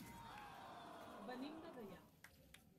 Venim de Deià.